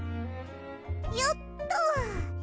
よっと。